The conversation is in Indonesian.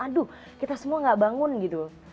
aduh kita semua gak bangun gitu